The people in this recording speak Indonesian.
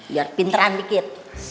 biar pinteran dikit